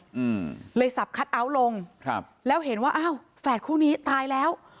อืมเลยสับคัทเอาท์ลงครับแล้วเห็นว่าอ้าวแฝดคู่นี้ตายแล้ว